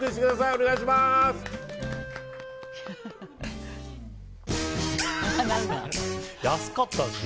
お願いします！